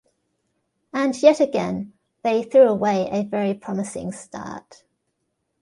And yet again, they threw away a very promising start.